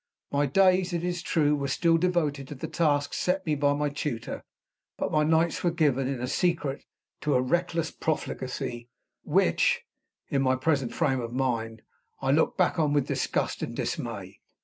My days, it is true, were still devoted to the tasks set me by my tutor; but my nights were given, in secret, to a reckless profligacy, which (in my present frame of mind) I look back on with disgust and dismay.